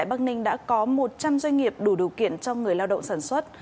bắc ninh đã có một trăm linh doanh nghiệp đủ điều kiện cho người lao động sản xuất